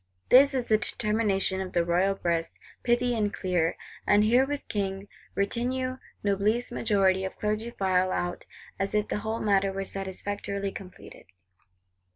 This is the determination of the royal breast: pithy and clear. And herewith King, retinue, Noblesse, majority of Clergy file out, as if the whole matter were satisfactorily completed.